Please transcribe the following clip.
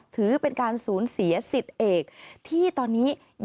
ถือเป็นการสูญเสียสิทธิ์เอกที่ตอนนี้